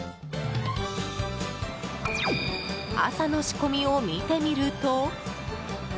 朝の仕込みを見てみると。